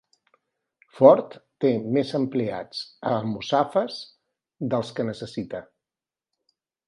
Ford té més empleats a Almussafes dels que necessita